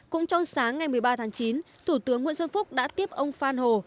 cũng trong sáng ngày một mươi ba tháng chín thủ tướng nguyễn xuân phúc đã tiếp ông phan hồ